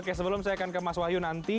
oke sebelum saya akan ke mas wahyu nanti